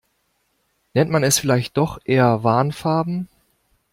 Nennt man es vielleicht doch eher Warnfarben?